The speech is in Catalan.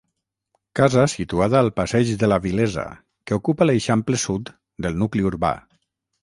Casa situada al passeig de la Vilesa que ocupa l'eixample sud del nucli urbà.